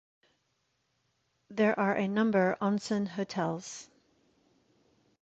There are a number onsen hotels.